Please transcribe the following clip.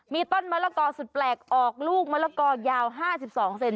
มีต้นมะละกอสุดแปลกออกลูกมะละกอยาว๕๒เซน